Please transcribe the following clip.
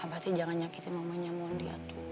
abah tuh jangan nyakitin mamanya mandi